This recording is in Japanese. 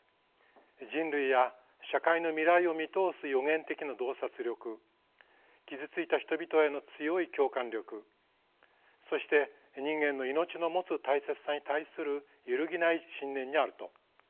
人類や社会の未来を見通す予言的な洞察力傷ついた人々への強い共感力そして人間の命の持つ大切さに対する揺るぎない信念にあると。